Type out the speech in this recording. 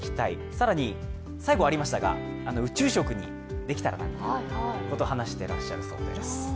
更に、最後ありましたが、宇宙食にできたらなということを話していらっしゃいます。